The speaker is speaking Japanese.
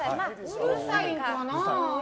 うるさいんかなあ。